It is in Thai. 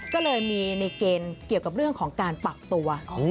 ก็เลยมีในเกณฑ์เกี่ยวกับเรื่องของการปรับตัว